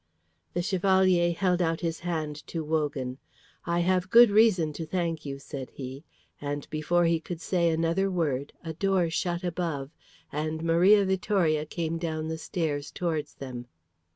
The Chevalier held out his hand to Wogan. "I have good reason to thank you," said he, and before he could say another word, a door shut above, and Maria Vittoria came down the stairs towards them.